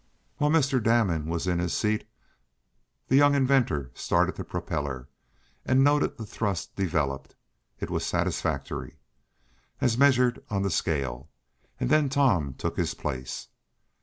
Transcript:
While Mr. Damon was in his seat the young inventor started the propeller, and noted the thrust developed. It was satisfactory, as measured on the scale, and then Tom took his place.